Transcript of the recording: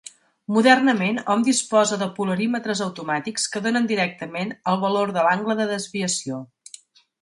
Modernament hom disposa de polarímetres automàtics que donen directament el valor de l'angle de desviació.